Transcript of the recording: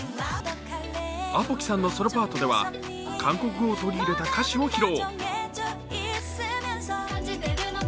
ＡＰＯＫＩさんのソロパートでは韓国語を取り入れた歌詞を披露。